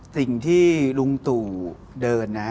สิ่งที่ลุงตู่เดินนะ